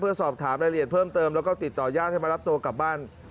เพื่อสอบถามรายละเอียดเพิ่มเติมแล้วก็ติดต่อญาติให้มารับตัวกลับบ้าน